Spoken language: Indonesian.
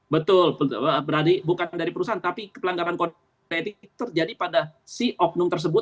betul bukan dari perusahaan tapi pelanggaran kode etik terjadi pada si oknum tersebut